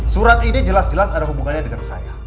surat ini jelas jelas ada hubungannya dengan saya